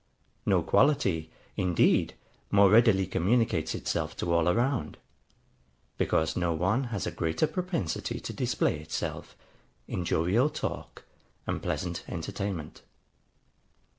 No quality, indeed, more readily communicates itself to all around; because no one has a greater propensity to display itself, in jovial talk and pleasant entertainment.